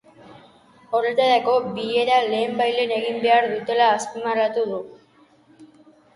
Horretarako bilera lehenbailehen egin behar dutela azpimarratu du.